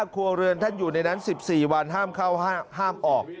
ครัวเรือนท่านอยู่ในนั้น๑๔วันห้ามเข้าห้ามออก